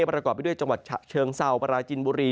ปรากอบไปด้วยจังหวัดเชิงเศราพระราชินบุรี